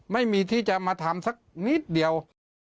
ไม่มีที่จะมาทำสักนิดเดียว